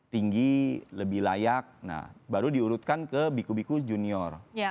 tinggi lebih layak baru diurutkan ke biku biku junior